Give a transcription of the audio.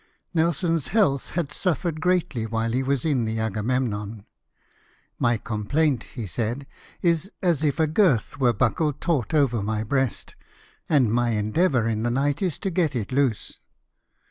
Nelson's health had suffered greatly while he was in the Agamemnon. " My complaint," he said, " is as if a girth were buckled taut over my breast ; and my endeavour in the night is to get it loose."